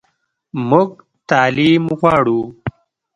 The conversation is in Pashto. موږ تعلیم غواړو